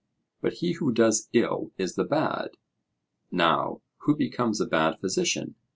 'But he who does ill is the bad.' Now who becomes a bad physician?